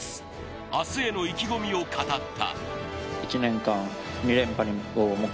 明日への意気込みを語った。